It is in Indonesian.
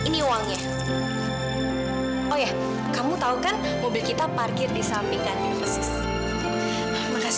mau pakai apa bayar pakai daun kapan bayar